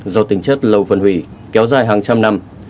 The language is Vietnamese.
do tính chất lầu phân hủy kéo dài hàng trăm năm